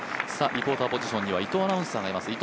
リポーターポジションには伊藤アナウンサーがいます。